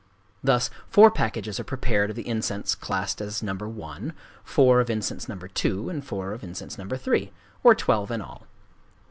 Thus four packages are prepared of the incense classed as No. 1, four of incense No. 2, and four of incense No. 3,—or twelve in all.